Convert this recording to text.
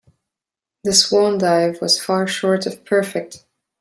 The swan dive was far short of perfect.